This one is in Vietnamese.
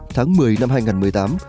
tháng một mươi năm hai nghìn một mươi tám